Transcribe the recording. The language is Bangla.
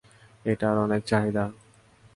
এটার অনেক চাহিদা।